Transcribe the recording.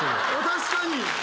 確かに。